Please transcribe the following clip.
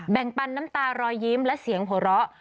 แบ่งปันน้ำตาลอยยิ้มและเสียงโหระ